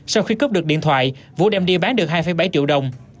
sau khi cướp được điện thoại vũ đem đi bán được hai bảy triệu đồng